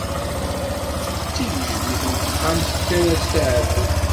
D tigejdit n texxamt fkan-s taɛrurt.